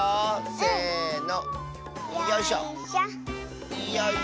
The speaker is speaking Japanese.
せの！